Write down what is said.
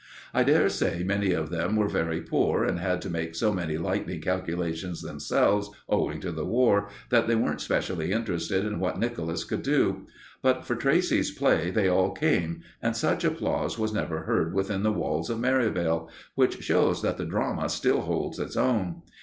I dare say many of them were very poor, and had to make so many lightning calculations themselves, owing to the War, that they weren't specially interested in what Nicholas could do. But for Tracey's play they all came, and such applause was never heard within the walls of Merivale; which shows that the drama still holds its own.